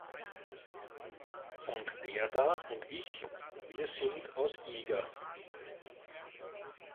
Und der da und ich, wir sind aus Eger.